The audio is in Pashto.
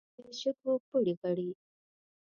له شګو پړي غړي.